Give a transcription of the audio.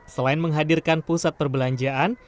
selain menghadirkan pusat perbelanjaan